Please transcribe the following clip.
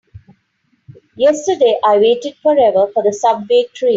Yesterday I waited forever for the subway train.